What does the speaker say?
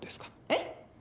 えっ！